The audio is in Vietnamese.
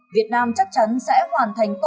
việt nam chắc chắn sẽ hoàn thành